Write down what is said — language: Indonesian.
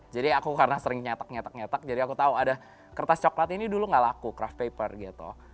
jadi aku karena sering nyetak nyetak nyetak jadi aku tahu ada kertas coklat ini dulu nggak laku kraft paper gitu